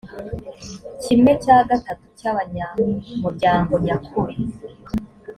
kimwe cya gatatu cy abanyamuryango nyakuri